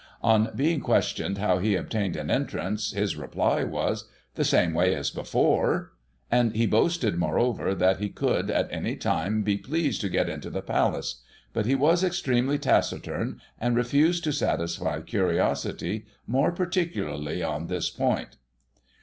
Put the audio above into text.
On being questioned how he obtained an entrance, his reply was, " the same way as before "; and he boasted, moreover, that he could, at any time he pleased, get into the palace ; but he was extremely taciturn, and refused to satisfy curiosity, more particularly on this point.